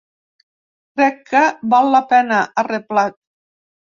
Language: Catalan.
Crec que val la pena, ha reblat.